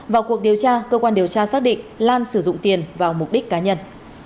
vào cuộc điều tra cơ quan điều tra xác định lan sử dụng tiền vào mục đích cá nhân